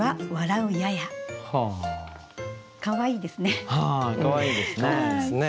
かわいいですね。